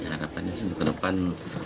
harapannya semuanya ke depan